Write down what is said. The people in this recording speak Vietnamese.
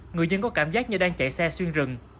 người dân có cảm giác như đang chạy xe xuyên rừng